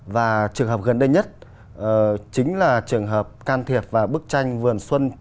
và trường hợp gần đây nhất chính là trường hợp can thiệp vào bức tranh vườn xuân trung quốc